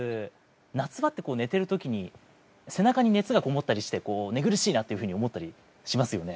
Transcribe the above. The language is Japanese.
夏場って寝てるときに背中に熱が籠もったりして、寝苦しいなって思ったりしますよね。